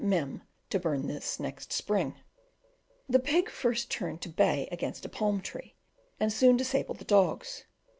Mem. to burn this next spring. The pig first turned to bay against a palm tree, and soon disabled the dogs.